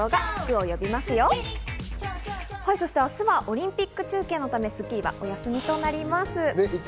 明日はオリンピック中継のため『スッキリ』はお休みとなります。